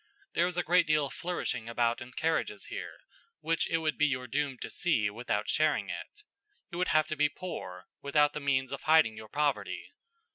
There is a great deal of flourishing about in carriages here, which it would be your doom to see without sharing it. You would have to be poor, without the means of hiding your poverty.